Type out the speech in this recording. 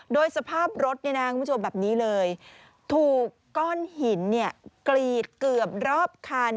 โดยสภาพรถคุณผู้ชมแบบนี้เลยถูกก้อนหินกรีดเกือบรอบคัน